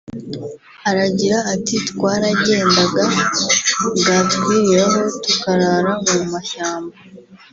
Aragira ati “Twaragendaga bwatwiriraho tukarara mu mashyamba